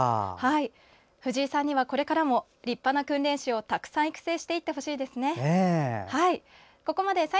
藤井さんにはこれからも立派な訓練士をたくさん育成していってほしいですね。